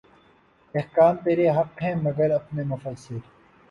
احکام ترے حق ہیں مگر اپنے مفسر